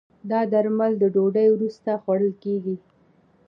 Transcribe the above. دا درمل د ډوډی وروسته خوړل کېږي.